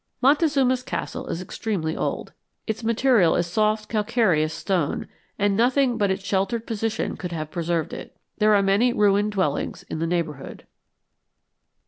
Montezuma's Castle is extremely old. Its material is soft calcareous stone, and nothing but its sheltered position could have preserved it. There are many ruined dwellings in the neighborhood.